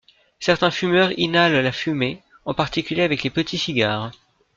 Certains fumeurs inhalent la fumée, en particulier avec les petits cigares.